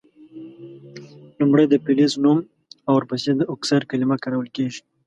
لومړۍ د فلز نوم او ور پسي د اکسایډ کلمه کارول کیږي.